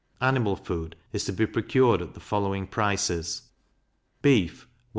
Animal food is to be procured at the following prices: Beef 1s.